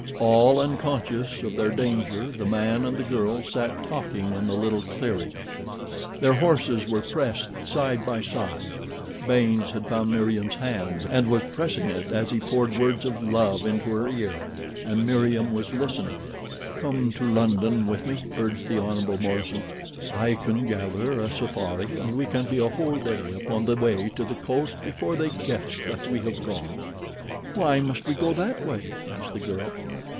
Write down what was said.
All unconscious of their danger the man and the girl sat talking in the little clearing. Their horses were pressed side by side. Baynes had found Meriem's hand and was pressing it as he poured words of love into her ear, and Meriem was listening. "Come to London with me," urged the Hon. Morison. "I can gather a safari and we can be a whole day upon the way to the coast before they guess that we have gone." "Why must we go that way?" asked the girl.